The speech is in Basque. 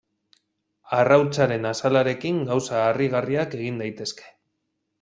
Arrautzaren azalarekin gauza harrigarriak egin daitezke.